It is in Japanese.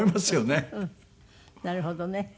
なるほどね。